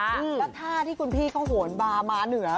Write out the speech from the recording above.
แล้วท่าที่คุณพี่เขาโหนมามาเหนือ